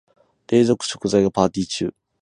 冷蔵庫、食材がパーティ中。